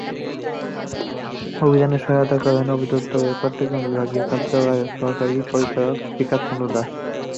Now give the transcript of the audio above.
অভিযানে সহায়তা করেন অধিদপ্তরের চট্টগ্রাম বিভাগীয় কার্যালয়ের সহকারী পরিচালক বিকাশ চন্দ্র দাস।